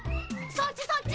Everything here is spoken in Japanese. そっちそっち！